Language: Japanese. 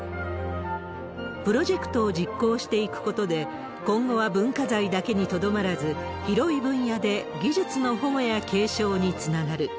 プロジェクトを実行していくことで、今後は文化財だけにとどまらず、広い分野で技術の保護や継承につながる。